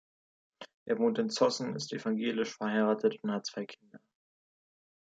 Er wohnt in Zossen, ist evangelisch, verheiratet und hat zwei Kinder.